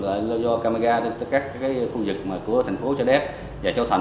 là do camera gà trên các khu vực của thành phố châu đếp và châu thành